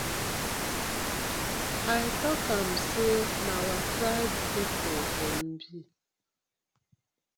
I tok am say na our tribe people dem bi.